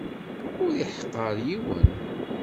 Ur iḥeqqer yiwen.